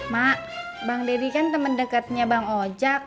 mak bang deddy kan temen deketnya bang ojak